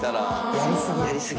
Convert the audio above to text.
やり過ぎ。